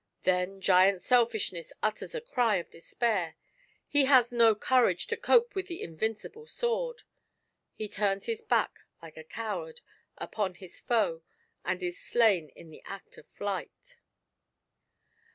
Then Giant Selfishness utters a cry of despair ; he has no courage to cope with the in vincible sword ; he turns hia back like a coward upon his foe, and is slain in the act of flight.